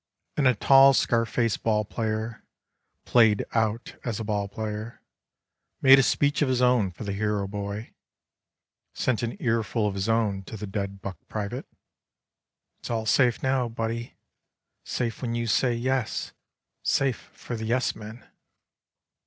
And a tall scar face ball player. Played out as a ball player. Made a speech of his own for the hero boy, Sent an earful of his own to the dead buck private: " It's all safe now, buddy. Safe when you say yes. Safe for the yes men."